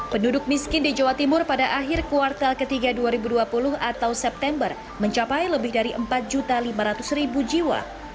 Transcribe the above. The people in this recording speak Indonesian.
penduduk miskin di jawa timur pada akhir kuartal ketiga dua ribu dua puluh atau september mencapai lebih dari empat lima ratus jiwa